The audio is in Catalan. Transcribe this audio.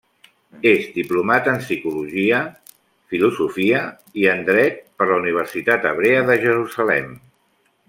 És diplomat en psicologia, filosofia i en dret per la Universitat Hebrea de Jerusalem.